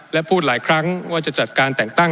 และพูดหลายครั้งว่าจะจัดการแต่งตั้ง